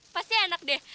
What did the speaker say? pasti enak deh